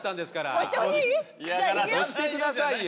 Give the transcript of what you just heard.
押してくださいよ。